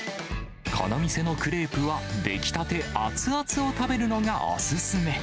この店のクレープは、出来たて熱々を食べるのがお勧め。